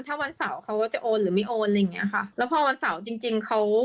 ถ้าวันเสาร์เขาจะโอนหรือไม่โอนอะไรอย่างเงี้ยค่ะแล้วพอวันเสาร์จริงจริงเขา